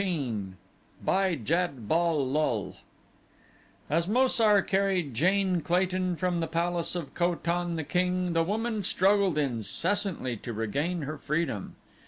17 By Jad bal lul As Mo sar carried Jane Clayton from the palace of Ko tan, the king, the woman struggled incessantly to regain her freedom.